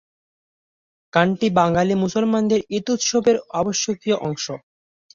গানটি বাঙালি মুসলমানের ঈদ উৎসবের আবশ্যকীয় অংশ।